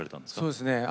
そうですね。